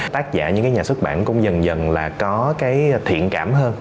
tác giả những cái nhà xuất bản cũng dần dần là có cái thiện cảm hơn